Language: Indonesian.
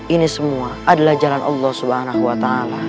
ini semua adalah jalan allah swt